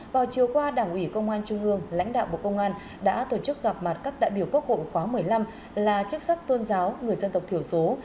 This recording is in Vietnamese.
vào chiều qua đảng ủy công an trung ương lãnh đạo bộ công an đã tổ chức gặp mặt các đại biểu quốc hội khóa một mươi năm là chức sắc tôn giáo người dân tộc thiểu số